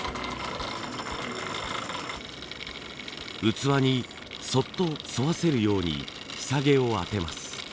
器にそっと沿わせるようにキサゲを当てます。